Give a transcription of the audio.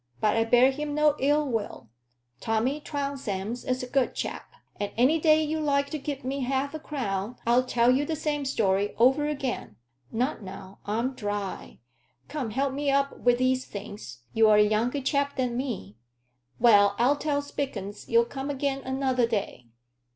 But I bear him no ill will. Tommy Trounsem's a good chap; and any day you like to give me half a crown, I'll tell you the same story over again. Not now; I'm dry. Come, help me up wi' these things; you're a younger chap than me. Well, I'll tell Spilkins you'll come again another day."